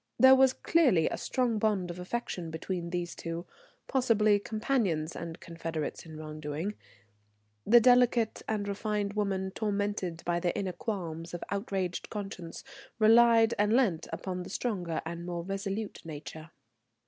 There was clearly a strong bond of affection between these two, possibly companions and confederates in wrong doing; the delicate and refined woman, tormented by the inner qualms of outraged conscience, relied and leant upon the stronger and more resolute nature.